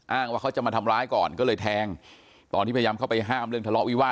ว่าเขาจะมาทำร้ายก่อนก็เลยแทงตอนที่พยายามเข้าไปห้ามเรื่องทะเลาะวิวาส